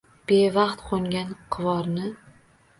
Bevaqt qoʼngan qirovni.